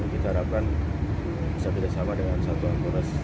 kita harapkan bisa bersama dengan satuan kores